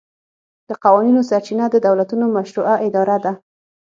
د قوانینو سرچینه د دولتونو مشروعه اراده ده